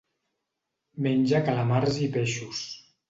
Menja calamars i peixos.